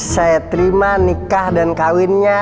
saya terima nikah dan kawinnya